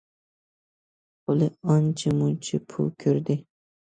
قولى ئانچە- مۇنچە پۇل كۆردى.